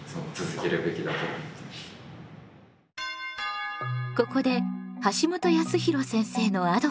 今ここで橋本康弘先生のアドバイスです。